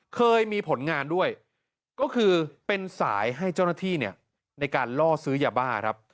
เคยมีผลงานด้วยก็คือเป็นสายให้เจ้าหน้าที่ในการล่อซื้อยาบ้าครับ